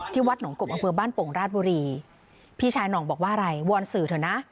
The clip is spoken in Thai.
วัดหนองกบอำเภอบ้านโป่งราชบุรีพี่ชายหน่องบอกว่าอะไรวอนสื่อเถอะนะ